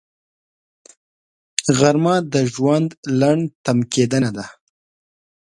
غرمه د ژوند لنډ تم کېدنه ده